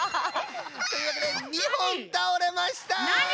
というわけで２ほんたおれました！